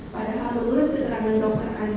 padahal menurut keterangan dokter